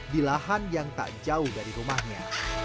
di lahan yang tak jauh dari rumahnya